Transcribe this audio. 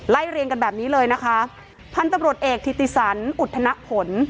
เรียงกันแบบนี้เลยนะคะพันธุ์ตำรวจเอกธิติสันอุทธนผล